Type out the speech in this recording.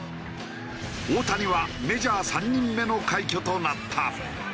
大谷はメジャー３人目の快挙となった。